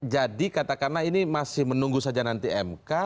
jadi katakanlah ini masih menunggu saja nanti mk